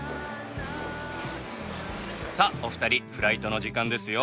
さあお二人フライトの時間ですよ。